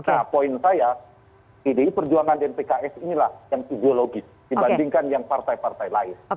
nah poin saya pdi perjuangan dan pks inilah yang ideologis dibandingkan yang partai partai lain